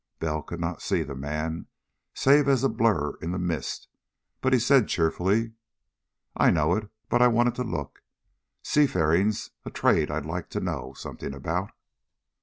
Bell could not see the man save as a blur in the mist, but he said cheerfully: "I know it, but I wanted to look. Seafaring's a trade I'd like to know something about."